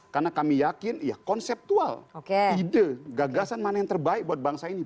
karena kami yakin ya konseptual ide gagasan mana yang terbaik buat bangsa ini